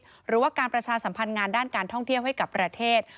หรือว่าการประชาสัมพันธ์งานด้านการท่องเที่ยวให้กับประเทศ